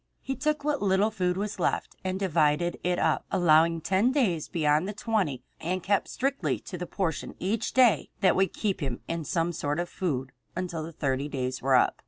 He took what little food was left and divided it up, allowing ten days beyond the twenty for the return of Phillips, and kept strictly to the portion each day that would keep him in some sort of food until the thirty days were up.